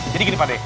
jadi gini pak d